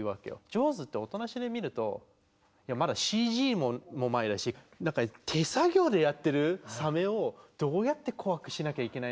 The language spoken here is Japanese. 「ジョーズ」って音なしで見るとまだＣＧも前だし手作業でやってるサメをどうやって怖くしなきゃいけないのか。